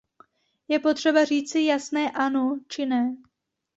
Je potřeba říci jasné ano či ne.